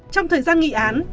trong thời gian nghị án